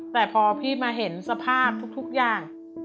แต่พอพี่มาเห็นสภาพทุกอย่าง